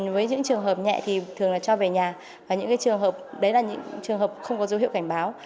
với những trường hợp nhẹ thì thường là cho về nhà và những trường hợp không có dấu hiệu cảnh báo